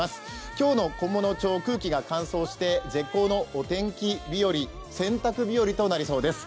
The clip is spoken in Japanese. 今日の菰野町、空気が乾燥して絶好の洗濯日和となりそうです。